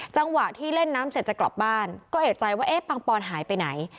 จังหวะที่เล่นน้ำเสร็จจะกลับบ้านก็เอกใจว่าเอ๊ะปังปอนหายไปไหน